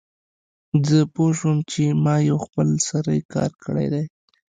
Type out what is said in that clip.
زه پوه شوم چې ما یو خپل سری کار کړی دی